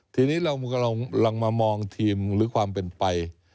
ทีนี้เรากำลังมามองทีมหรือความเป็นไป